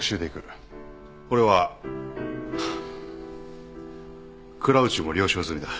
これは倉内も了承済みだ。